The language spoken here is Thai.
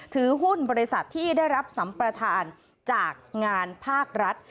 ถือหุ้นบริษัทที่ได้รับสัมประธานจากงานภาครัฐ